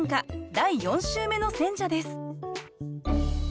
第４週目の選者です